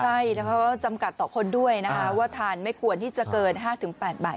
ใช่แล้วเขาก็จำกัดต่อคนด้วยนะคะว่าทานไม่ควรที่จะเกิน๕๘ใบ